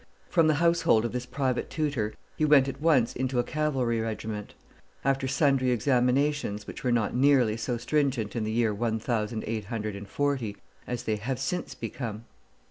From the household of this private tutor he went at once into a cavalry regiment; after sundry examinations, which were not nearly so stringent in the year one thousand eight hundred and forty, as they have since become.